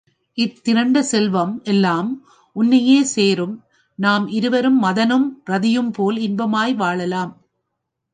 இத்திரண்ட செல்வம் எல்லாம் உன்னையே சேரும் நாம் இருவரும் மதனும் ரதியும்போல் இன்பமாய் வாழலாம்.